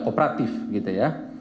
tidak operatif gitu ya